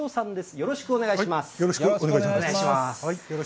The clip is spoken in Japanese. よろしくお願いします。